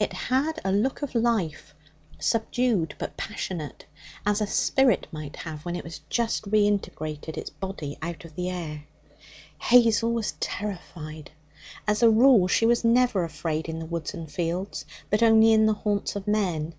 It had a look of life subdued, but passionate as a spirit might have when it has just reintegrated its body out of the air. Hazel was terrified. As a rule, she was never afraid in the woods and fields, but only in the haunts of men.